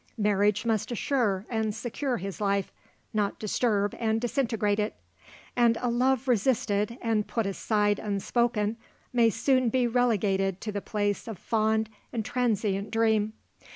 Marriage must assure and secure his life, not disturb and disintegrate it; and a love resisted and put aside unspoken may soon be relegated to the place of fond and transient dream.